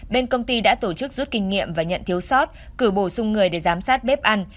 bên công ty đã tổ chức rút kinh nghiệm và nhận thiếu sót cử bổ sung người để giám sát bếp ăn